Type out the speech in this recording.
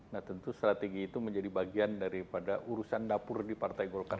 nah tentu strategi itu menjadi bagian daripada urusan dapur di partai golkar